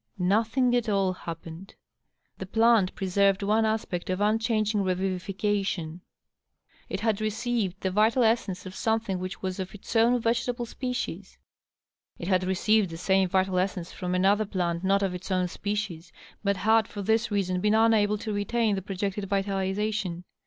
Nothing at all happened. The plant preserved one aspect of unchanging revivification. It had re DOUGLAS DUANE. 683 odved the vital essence of something which was of its own vegetable species. It had received the same vital essence from another plant not of its own species, but had for this reason been unable to retain the projected vitalization.